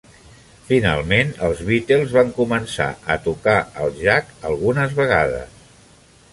Finalment, els Beatles van començar a tocar al Jac algunes vegades.